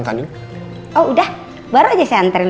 oke yaudah saya ke parkiran